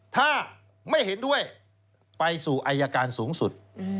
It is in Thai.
ถ้าไม่เห็นด้วยไปสู่อายการสูงสุด